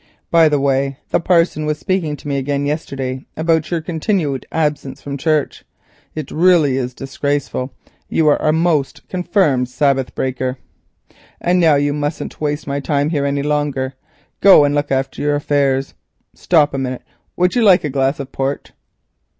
By the way the parson was speaking to me again yesterday about your continued absence from church. It really is disgraceful; you are a most confirmed Sabbath breaker. And now you mustn't waste my time here any longer. Go and look after your affairs. Stop a minute, would you like a glass of port?"